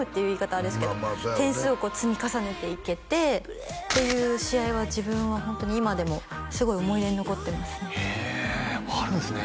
あれですけど点数を積み重ねていけてっていう試合は自分はホントに今でもすごい思い出に残ってますねへえあるんですね